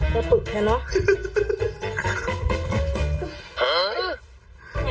มันตุกแค่นั้น